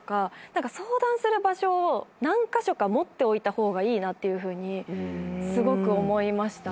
相談する場所を何カ所か持っておいた方がいいなとすごく思いましたね。